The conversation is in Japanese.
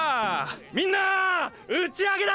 みんな打ち上げだ！